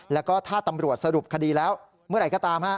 แล้วก็ถ้าตำรวจสรุปคดีแล้วเมื่อไหร่ก็ตาม